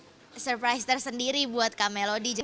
dan itu adalah surprise tersendiri buat kamelody